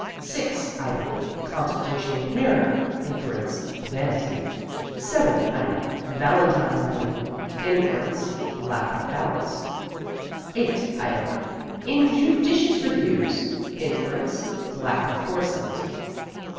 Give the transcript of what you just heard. VI. Item : Consultation with mirror. Inference : Vanity. VII. Item : Valentine writing. Inference : Lack of balance. VIII. Item : Injudicious reviews. Inference : Lack of foresight.